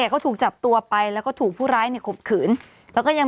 รู้ไหมว่าผู้สูงอายุเนี่ยไม่ได้ออกไปไหน